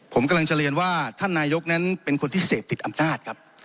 ผมกำลังจะเรียนว่าท่านนายกนั้นเป็นคนที่เสพติดอำนาจครับ